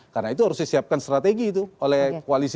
karena itu harus disiapkan strategi itu oleh koalisi